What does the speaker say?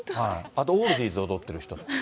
あとオールディーズ踊ってる人。